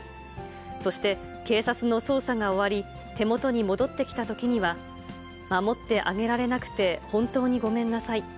そして、警察の捜査が終わり、手元に戻ってきたときには、守ってあげられなくて本当にごめんなさい。